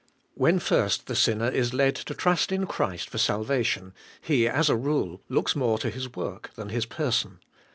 When first the sinner is led to trust in Christ for salvation, he, as a rule, looks more to His work than His person.